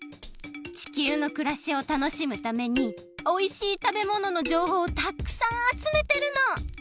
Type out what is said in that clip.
地球のくらしを楽しむためにおいしい食べもののじょうほうをたっくさんあつめてるの！